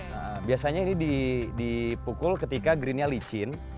nah biasanya ini dipukul ketika green nya licin